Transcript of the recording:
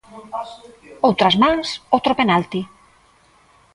Outras mans, outro penalti.